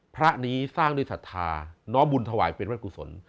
พระนี้สร้างด้วยศรัทธาน้อมบุญถวายเป็นวัดกุศล